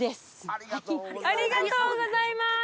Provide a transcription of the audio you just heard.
ありがとうございます。